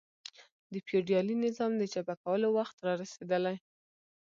د فیوډالي نظام د چپه کولو وخت را رسېدلی.